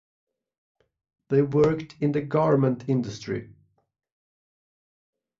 They worked in the garment industry.